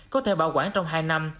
có thể bảo quản trong hai năm